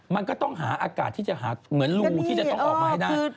มันก็ต้องหาอากาศที่จะหาเหมือนรูที่จะต้องออกมาให้ได้